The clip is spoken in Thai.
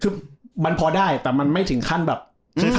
คือมันพอได้แต่มันไม่ถึงขั้นแบบนึกถ้ายังไง